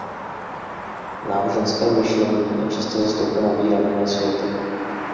V náboženském myšlení je často zastoupena víra v jiné světy.